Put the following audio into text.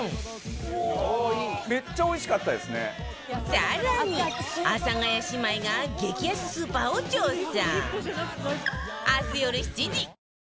更に阿佐ヶ谷姉妹が激安スーパーを調査。